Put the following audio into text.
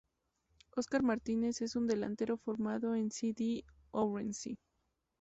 Óscar Martínez es un delantero formado en C. D. Ourense.